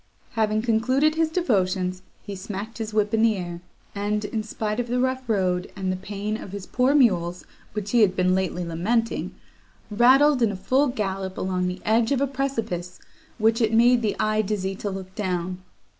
Having concluded his devotions, he smacked his whip in the air, and, in spite of the rough road, and the pain of his poor mules, which he had been lately lamenting, rattled, in a full gallop, along the edge of a precipice, which it made the eye dizzy to look down.